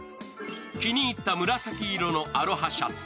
気に入った紫色のアロハシャツ。